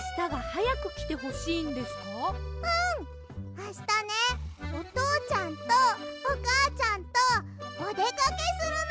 あしたねおとうちゃんとおかあちゃんとおでかけするの！